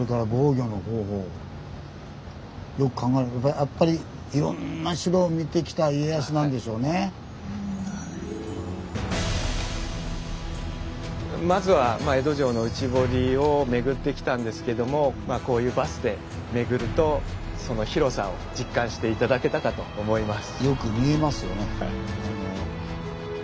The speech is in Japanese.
やっぱりまずは江戸城の内堀を巡ってきたんですけどもこういうバスで巡るとその広さを実感して頂けたかと思います。